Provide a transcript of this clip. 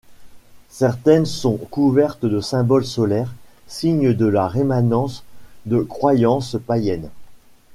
Certaines sont couvertes de symboles solaires, signes de la rémanence de croyances païennes.